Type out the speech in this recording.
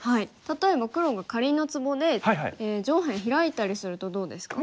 例えば黒がかりんのツボで上辺ヒラいたりするとどうですか？